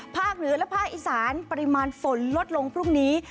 เหนือและภาคอีสานปริมาณฝนลดลงพรุ่งนี้